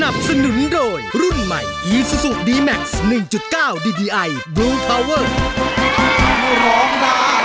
เพราะร้องได้ให้ร้าน